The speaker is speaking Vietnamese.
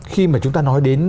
khi mà chúng ta nói đến